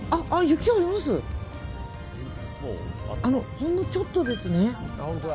ほんのちょっとですね。